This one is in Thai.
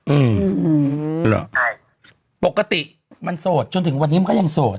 อืมเหรอใช่ปกติมันโสดจนถึงวันนี้มันก็ยังโสด